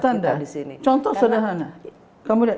kita di sini contoh sederhana karena